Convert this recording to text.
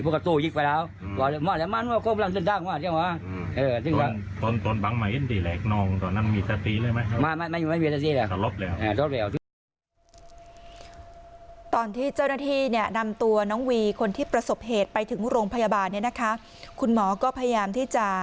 คุณหมอก็พยายามที่เจ้าหน้าที่กู้ภัยนะฮะ